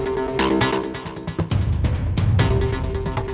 bagaimana cara mempelajarinya